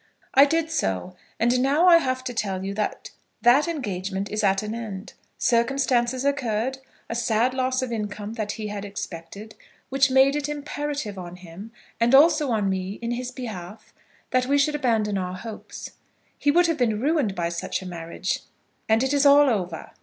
"I did so, and now I have to tell you that that engagement is at an end. Circumstances occurred, a sad loss of income that he had expected, which made it imperative on him, and also on me in his behalf, that we should abandon our hopes. He would have been ruined by such a marriage, and it is all over."